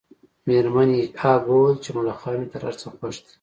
میرمن هیج هاګ وویل چې ملخان مې تر هر څه خوښ دي